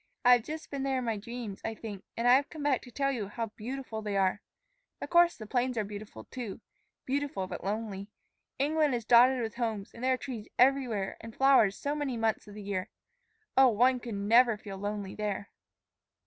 I have just been there in my dreams, I think; and I have come back to tell you how beautiful they are. Of course the plains are beautiful, too, beautiful but lonely. England is dotted with homes, and there are trees everywhere, and flowers so many months of the year. Oh, one never could feel lonely there."